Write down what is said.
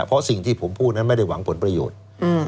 เพราะสิ่งที่ผมพูดนั้นไม่ได้หวังผลประโยชน์